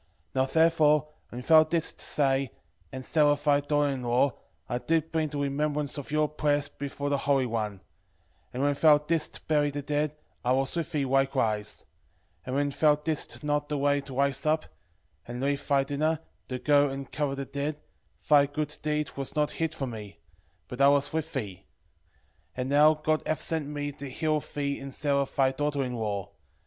12:12 Now therefore, when thou didst pray, and Sara thy daughter in law, I did bring the remembrance of your prayers before the Holy One: and when thou didst bury the dead, I was with thee likewise. 12:13 And when thou didst not delay to rise up, and leave thy dinner, to go and cover the dead, thy good deed was not hid from me: but I was with thee. 12:14 And now God hath sent me to heal thee and Sara thy daughter in law.